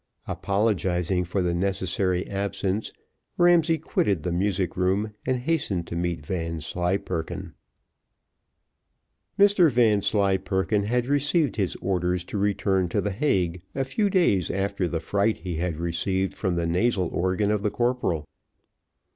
Apologising for the necessary absence, Ramsay quitted the music room, and hastened to meet Vanslyperken. Mr Vanslyperken had received his orders to return to the Hague a few days after the fright he had received from the nasal organ of the corporal.